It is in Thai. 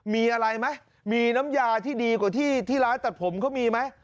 มีอะไรไหมมีน้ำยาที่ดีกว่าที่ร้านตัดผมเขามีไหม